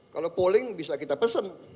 kalau polling bisa kita pesan